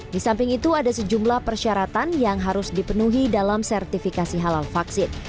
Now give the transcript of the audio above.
di samping itu ada sejumlah persyaratan yang harus dipenuhi dalam sertifikasi halal vaksin